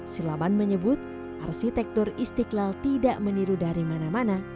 silaban menyebut arsitektur istiqlal tidak meniru dari mana mana